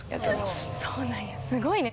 そうなんやすごいね。